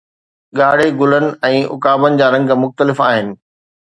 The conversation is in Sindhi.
ڳاڙهي، گلن ۽ عقابن جا رنگ مختلف آهن